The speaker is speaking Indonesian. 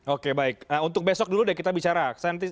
oke baik untuk besok dulu deh kita bicara